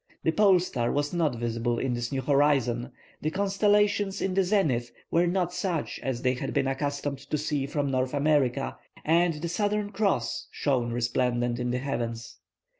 The pole star was not visible in this new horizon, the constellations in the zenith were not such as they had been accustomed to see from North America, and the Southern Cross shone resplendent in the heavens.